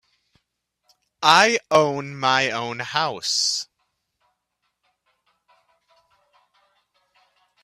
I own my own house.